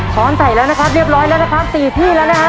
พร้อมใส่แล้วนะครับเรียบร้อยแล้วนะครับ๔ที่แล้วนะฮะ